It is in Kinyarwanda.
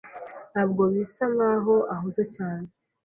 Ntabwo bisa nkaho ahuze cyane.